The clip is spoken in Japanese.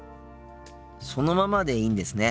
そのままでいいんですね。